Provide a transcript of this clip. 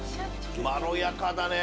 まろやかだねぇ。